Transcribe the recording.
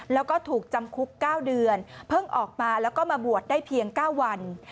แล้วก็ถูกจำคุก๙เดือนเพิ่งออกมาแล้วก็มาบวชได้เพียง๙วัน